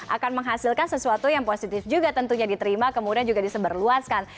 akan menghasilkan sesuatu yang positif juga tentunya diterima kemudian juga diseberluaskan